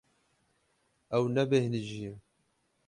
Ew nebêhnijî ye.